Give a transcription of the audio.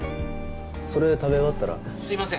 それ食べ終わったらすいません